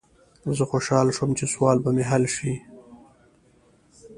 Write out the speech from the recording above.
زه خوشحاله شوم چې سوال به مې حل شي.